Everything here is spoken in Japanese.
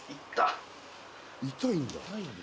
痛いんだ。